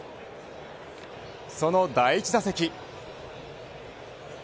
その第１打席。